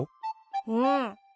うん。